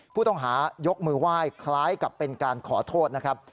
ผู้ต้องหายกมือไหว้คล้ายกับเป็นการขอโทษนะครับ